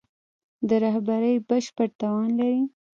د رهبري بشپړ توان لري.